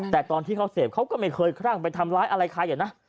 แต่ตอนที่เขาเสพเขาก็ไม่เคยคลั่งไปทำร้ายอะไรใครนะ